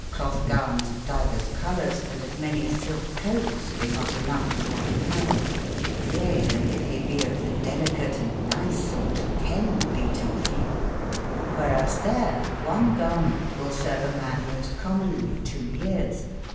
clotbe gownes of dyvers coloures, and as manye silke cootes be not enougbe for one man.Y^a, and yf be be of tbe delicate and nyse sorte x* be to f ewe : wbereas tbere, one garmente wyl serveamanmoostecommenlyeij.yeares.